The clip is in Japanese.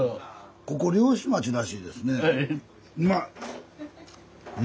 ここ漁師町らしいですね。